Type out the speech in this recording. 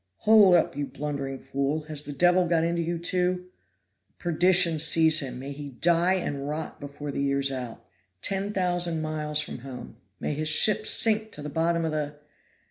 Hold up, you blundering fool; has the devil got into you, too? Perdition seize him! May he die and rot before the year's out, ten thousand miles from home! may his ship sink to the bottom of the